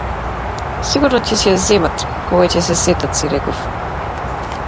Сигурно ќе си ја земат, кога ќе се сетат, си реков.